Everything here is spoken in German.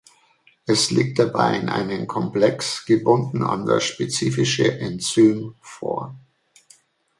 Es liegt dabei in einem Komplex, gebunden an das spezifische Enzym, vor.